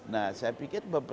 nah saya pikir beberapa cara